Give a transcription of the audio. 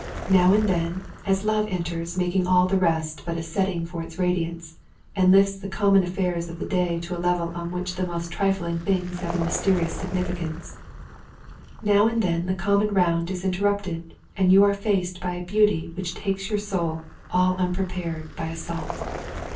Now and then, as love enters 88 THE K O AD making all the rest but a setting for its radiance and lifts the common affairs of the day to a level on which the most trifling things have a mysterious significance, now and then the common round is interrupted and you are faced by a beauty which takes your soul, all unprepared, by assault.